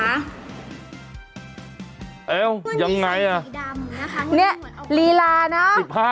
เอ้ายังไงอ่ะเนี่ยลีลาเนอะ